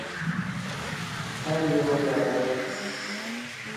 Temples were levelled and some of the grandest monuments of old damaged and disfigured.